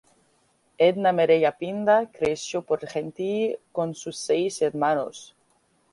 Edna Merey-Apinda creció Port-Gentil con sus seis hermanos.